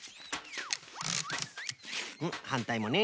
うんはんたいもね。